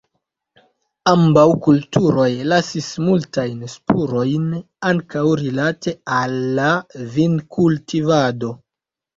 Ambaŭ kulturoj lasis multajn spurojn, ankaŭ rilate al la vinkultivado.